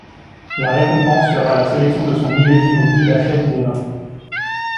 La récompense sera la sélection de son Millésime au guide Hachette des Vins.